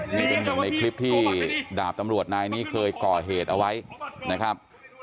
นี่เป็นหนึ่งในคลิปที่ดาบตำรวจนายนี้เคยก่อเหตุเอาไว้นะครับ